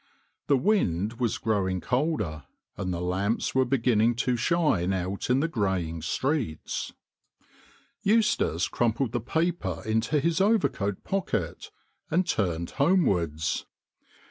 The wind was growing colder, and the lamps were be ginning to shine out in the greying streets. 170 THE COFFIN MERCHANT Eustace crumpled the paper into his overcoat . pocket, and turned homewards.